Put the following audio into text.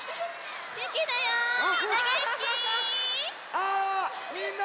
あみんな！